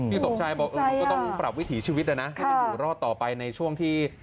นี่ตกใจอ่ะต้องปรับวิถีชีวิตนะให้ต้องอยู่รอดต่อไปในช่วงที่